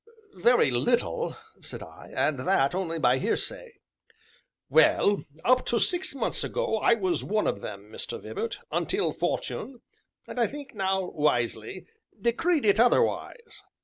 "Very little," said I, "and that, only by hearsay." "Well, up to six months ago, I was one of them, Mr. Vibart, until Fortune, and I think now, wisely, decreed it otherwise."